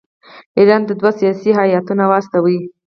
ایران ته دوه سیاسي هیاتونه واستوي.